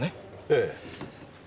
ええ。